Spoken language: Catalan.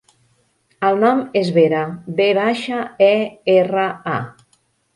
El nom és Vera: ve baixa, e, erra, a.